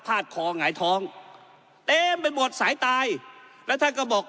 พาดคอไหงท้องเต็มเป็นบทสายตายแล้วท่านก็บอก